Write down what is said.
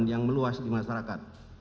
yang meluas di masyarakat